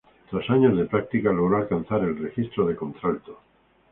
Tras años de práctica, logró alcanzar el registro de contralto.